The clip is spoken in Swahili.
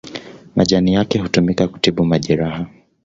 Majani yake hutumika kutibu majeraha.